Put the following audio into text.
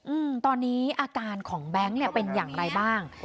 อืมตอนนี้อาการของแบงค์เนี้ยเป็นอย่างไรบ้าง